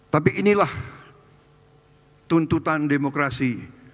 tapi inilah tuntutan demokrasi